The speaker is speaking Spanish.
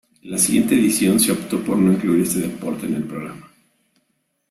En la siguiente edición se optó por no incluir este deporte en el programa.